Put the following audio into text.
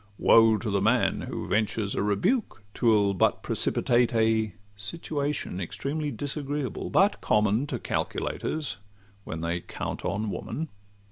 Woe to the man who ventures a rebuke! 'Twill but precipitate a situation Extremely disagreeable, but common To calculators when they count on woman.